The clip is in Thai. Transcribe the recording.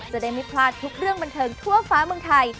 จะได้ไม่พลาดทุกเรื่องบันเทิงทั่วฟ้าเมืองไทย